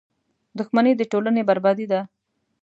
• دښمني د ټولنې بربادي ده.